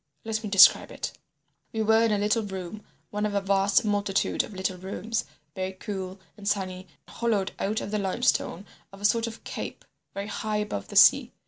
Let me describe it. We were in a little room, one of a vast multitude of little rooms, very cool and sunny, hollowed out of the limestone of a sort of cape, very high above the sea.